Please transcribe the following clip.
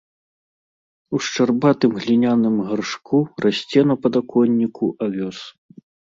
У шчарбатым гліняным гаршку расце на падаконніку авёс.